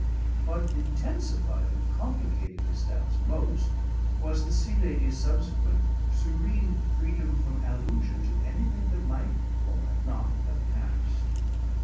What intensified and complicated his doubts most, was the Sea Lady's subsequent serene freedom from allusion to anything that might or might not have passed.